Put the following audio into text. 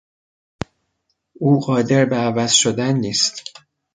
او قادر به عوض شدن نیست.